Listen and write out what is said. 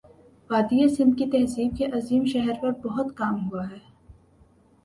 وادیٔ سندھ کی تہذیب کے عظیم شہر پر بہت کام ہوا ہے